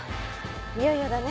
いよいよだね。